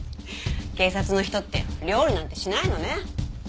警察の人って料理なんてしないのね。